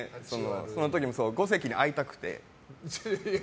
その時も五関に会いたくて。